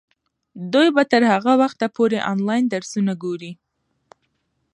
دوی به تر هغه وخته پورې انلاین درسونه ګوري.